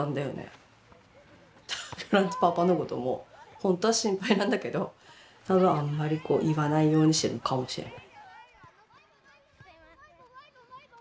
だからパパのことも本当は心配なんだけどただあんまり言わないようにしてるのかもしれない。